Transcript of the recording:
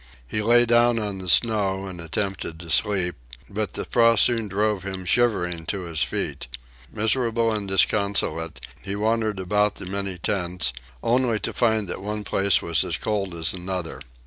He lay down on the snow and attempted to sleep, but the frost soon drove him shivering to his feet. Miserable and disconsolate, he wandered about among the many tents, only to find that one place was as cold as another.